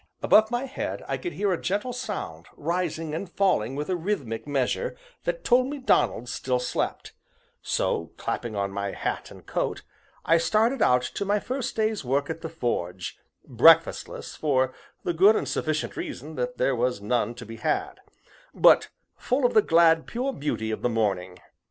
Above my head I could hear a gentle sound rising and falling with a rhythmic measure, that told me Donald still slept; so, clapping on my hat and coat, I started out to my first day's work at the forge, breakfastless, for the good and sufficient reason that there was none to be had, but full of the glad pure beauty of the morning.